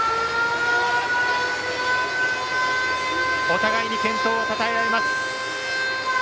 お互いに健闘をたたえあいます。